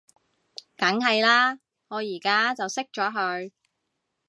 梗係喇，我而家就熄咗佢